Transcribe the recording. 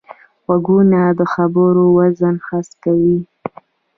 غوږونه د خبرو وزن حس کوي